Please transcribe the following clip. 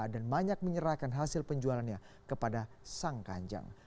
dan banyak menyerahkan hasil penjualannya kepada sang kanjeng